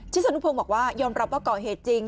สนุพงศ์บอกว่ายอมรับว่าก่อเหตุจริง